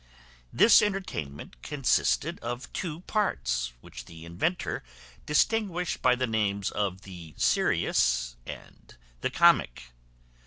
This entertainment consisted of two parts, which the inventor distinguished by the names of the serious and the comic.